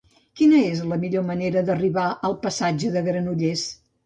Quina és la millor manera d'arribar al passatge de Granollers?